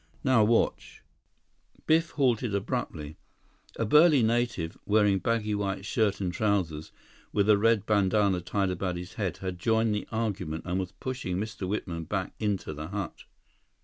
"Now, watch—" Biff halted abruptly. A burly native, wearing baggy white shirt and trousers, with a red bandanna tied about his head, had joined the argument and was pushing Mr. Whitman back into the hut.